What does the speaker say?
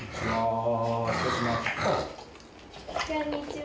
こんにちは。